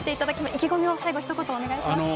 意気込みを最後ひと言お願いします。